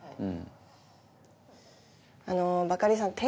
あのバカリさん提案。